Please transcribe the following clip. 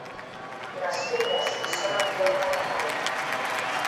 Les fulles són en forma de palma.